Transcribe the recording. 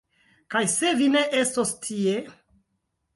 Kaj se vi ne estos tie!